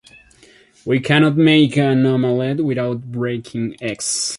We cannot make an omelette without breaking eggs.